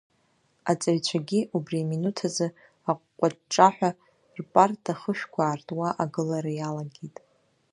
Аҵаҩцәагьы убри аминуҭазы аҟәҟәа-ҿҿаҳәа рпарта хышәқәа аартуа, агылара иалагеит.